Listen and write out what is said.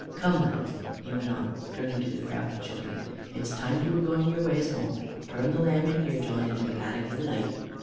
Come, lads," he went on, turning to the crowd of children, "it is time you were going your ways home. Turn the lamb in here, John, into the paddock for the night."